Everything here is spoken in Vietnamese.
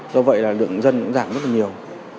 do vậy là lượng dân cũng giảm rất là nhiều